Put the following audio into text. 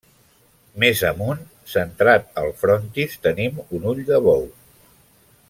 Més amunt, centrat el frontis, tenim un ull de bou.